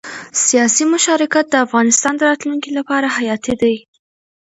سیاسي مشارکت د افغانستان د راتلونکي لپاره حیاتي دی